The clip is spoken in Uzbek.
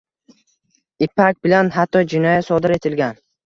Ipak bilan hatto jinoyat sodir etilgan.